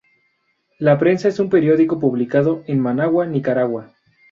La Prensa es un periódico publicado en Managua, Nicaragua.